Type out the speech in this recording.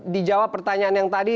dijawab pertanyaan yang tadi